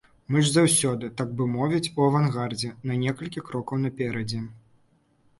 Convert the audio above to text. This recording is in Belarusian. Мы ж заўсёды, так бы мовіць, у авангардзе, на некалькі крокаў наперадзе.